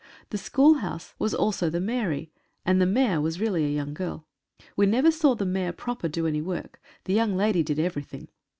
The schoolhouse was also the Mairie, and the Maire was really a young girl. We never saw the Maire proper do any work, the young lady did every thing.